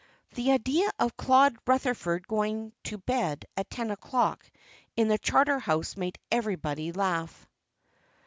The idea of Claude Rutherford going to bed at ten o'clock in the Charter house made everybody laugh.